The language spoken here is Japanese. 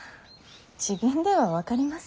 自分では分かりません。